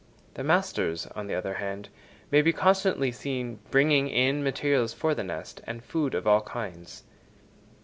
The masters, on the other hand, may be constantly seen bringing in materials for the nest, and food of all kinds.